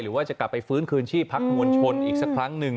ว่าจะกลับไปฟื้นคืนชีพพักมวลชนอีกสักครั้งหนึ่ง